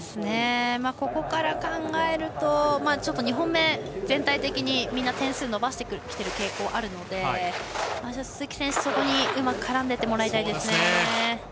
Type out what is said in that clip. ここから考えると２本目、全体的にみんな点数伸ばしてきている傾向があるので鈴木選手、そこにうまく絡んでいってもらいたいですね。